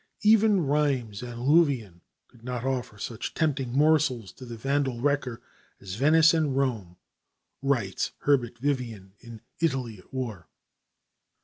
"Even Rheims and Louvain could not offer such tempting morsels to the vandal wrecker as Venice and Rome," writes Herbert Vivian in "Italy at War."